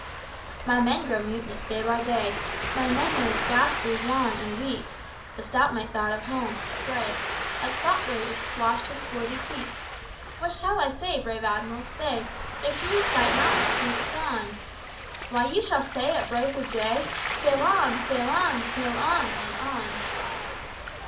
'" "My men grow mutinous day by day; My men grow ghastly wan, and weak." The stout mate thought of home; a spray Of salt wave washed his swarthy cheek. "What shall I say, brave Admiral, say, If we sight naught but seas at dawn?" "Why, you shall say at break of day, 'Sail on! sail on! sail on! and on!'"